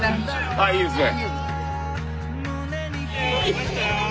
ああいいですね。